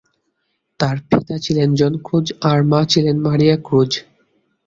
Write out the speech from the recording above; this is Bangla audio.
তার পিতা ছিলেন জন ক্রুজ আর মা ছিলেন মারিয়া ক্রুজ।